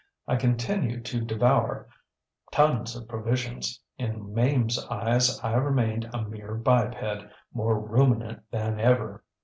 I continued to devour tons of provisions. In MameŌĆÖs eyes I remained a mere biped, more ruminant than ever.